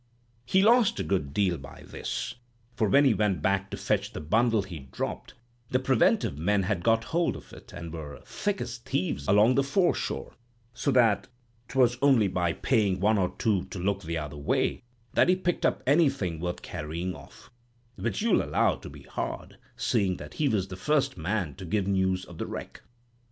He lost a good deal by this; for when he went back to fetch the bundle he'd dropped, the preventive men had got hold of it, and were thick as thieves along the foreshore; so that 'twas only by paying one or two to look the other way that he picked up anything worth carrying off: which you'll allow to be hard, seeing that he was the first man to give news of the Wreck.